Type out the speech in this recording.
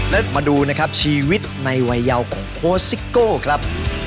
และมาดูนะครับชีวิตในวัยเยาวของโค้ชซิโก้ครับ